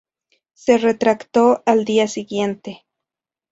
Se retractó al día siguiente.